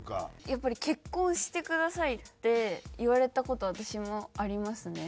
やっぱり「結婚してください」って言われた事私もありますね。